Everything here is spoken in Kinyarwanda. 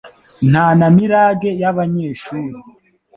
Nta na mirage y'abanyeshuri